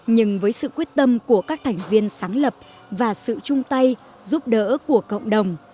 nhưng với sự quyết tâm của các thành viên sáng lập và sự chung tay giúp đỡ của cộng đồng